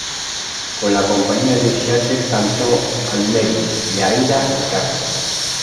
Con la compañía de Seattle cantó "Amneris" de Aida y Carmen.